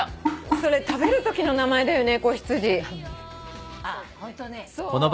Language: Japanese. それ食べるときの名前だよね。